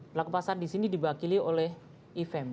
pelaku pasar di sini dibakili oleh ifem